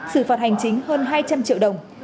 xử phạt hành chính hơn hai trăm linh triệu đồng